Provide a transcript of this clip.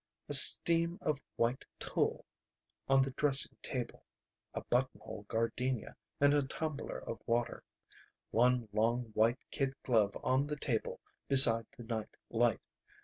A steam of white tulle on the dressing table. A buttonhole gardenia in a tumbler of water. One long white kid glove on the table beside the night light.